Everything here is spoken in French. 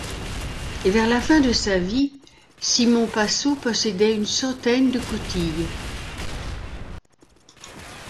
Vers la fin de sa vie, Simon Passot possédait une centaine de coutils.